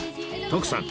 徳さん